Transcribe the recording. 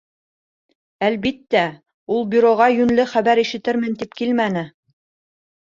Әлбиттә, ул бюроға йүнле хәбәр ишетермен тип килмәне.